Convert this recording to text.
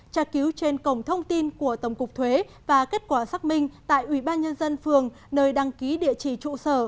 tra cứu trên cổng thông tin của tổng cục thuế và kết quả xác minh tại ủy ban nhân dân phường nơi đăng ký địa chỉ trụ sở